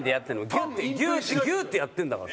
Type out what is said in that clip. ギュッてやってるんだから。